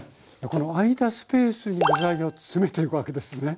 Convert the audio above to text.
この空いたスペースに具材をつめていくわけですね。